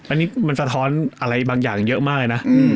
อันนี้มันสะท้อนอะไรบางอย่างเยอะมากเลยนะ